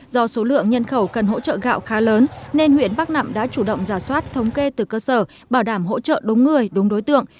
do số lượng nhân khẩu cần hỗ trợ gạo khá lớn nên huyện bắc nẵm đã chủ động giả soát thống kê từ cơ sở bảo đảm hỗ trợ đúng người đúng đối tượng